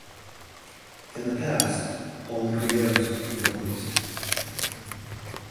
In the past, only "griots" could perform music.